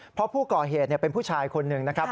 เพราะผู้ก่อเหตุเป็นผู้ชายคนหนึ่งนะครับ